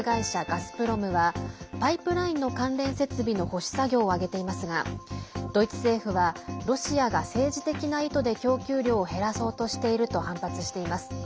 ガスプロムはパイプラインの関連設備の保守作業を挙げていますがドイツ政府はロシアが政治的な意図で供給量を減らそうとしていると反発しています。